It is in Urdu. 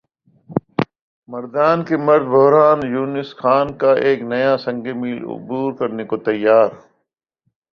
مردان کےمرد بحران یونس خان کل ایک نیا سنگ میل عبور کرنے کو تیار